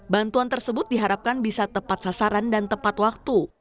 bantuan tersebut diharapkan bisa tepat sasaran dan tepat waktu